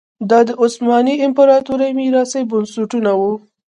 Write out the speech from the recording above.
دا د عثماني امپراتورۍ میراثي بنسټونه وو.